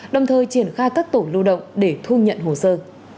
đồng thời triển khai các tổ lưu động để thu nhận hồ sơ